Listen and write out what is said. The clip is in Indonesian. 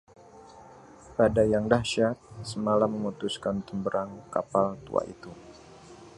badai yang dahsyat semalam memutuskan temberang kapal tua itu